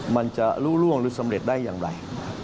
มันจะล่วงหรือสำเร็จได้อย่างไร